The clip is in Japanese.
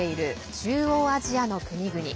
中央アジアの国々。